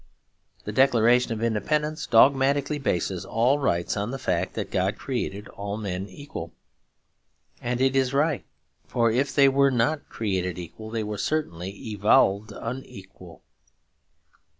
The Declaration of Independence dogmatically bases all rights on the fact that God created all men equal; and it is right; for if they were not created equal, they were certainly evolved unequal.